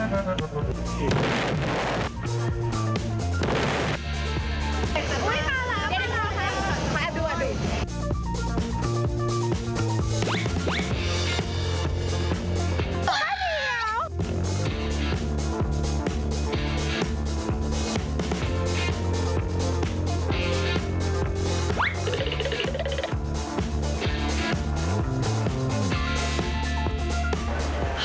เฮ้ยแป๊บก่อนสุดท้ายแล้ว